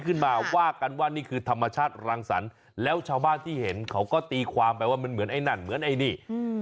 ขึ้นมาว่ากันว่านี่คือธรรมชาติรังสรรค์แล้วชาวบ้านที่เห็นเขาก็ตีความไปว่ามันเหมือนไอ้นั่นเหมือนไอ้นี่อืม